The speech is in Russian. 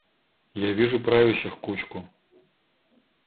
Я вижу правящих кучку.